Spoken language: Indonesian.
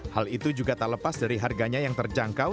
hal itu juga tak lepas dari harganya yang terjangkau